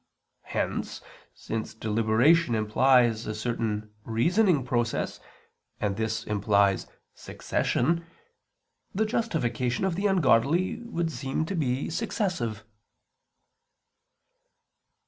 Hence, since deliberation implies a certain reasoning process, and this implies succession, the justification of the ungodly would seem to be successive.